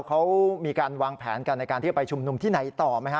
เขามีการวางแผนกันในการที่จะไปชุมนุมที่ไหนต่อไหมฮะ